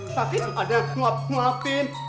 sakit ada yang suap suapin